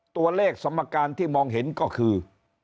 ตัวเลขสมการที่มองเห็นก็คือ